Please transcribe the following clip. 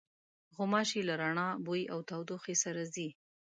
غوماشې له رڼا، بوی او تودوخې سره ځي.